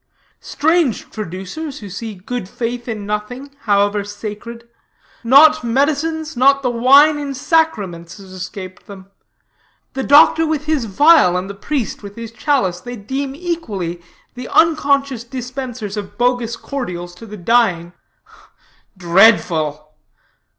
Strange traducers, who see good faith in nothing, however sacred. Not medicines, not the wine in sacraments, has escaped them. The doctor with his phial, and the priest with his chalice, they deem equally the unconscious dispensers of bogus cordials to the dying." "Dreadful!"